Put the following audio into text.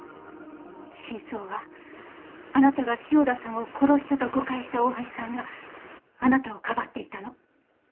真相はあなたが汐田さんを殺したと誤解した大橋さんがあなたをかばっていたの。